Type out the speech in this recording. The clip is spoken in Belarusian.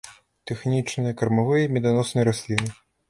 Тэхнічныя, кармавыя і меданосныя расліны.